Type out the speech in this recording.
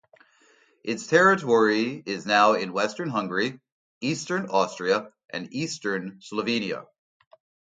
Its territory is now in western Hungary, eastern Austria and eastern Slovenia.